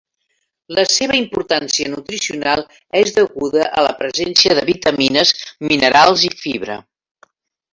La seva importància nutricional és deguda a la presència de vitamines, minerals i fibra.